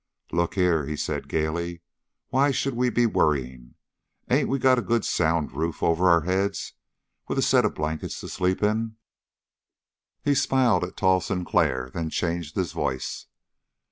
"Look here," he said gaily, "why should we be worryin'? Ain't we got a good sound roof over our heads, with a set of blankets to sleep in?" He smiled at tall Sinclair, then changed his voice.